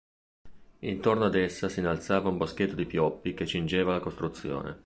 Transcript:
Intorno ad essa s'innalzava un boschetto di pioppi che cingeva la costruzione.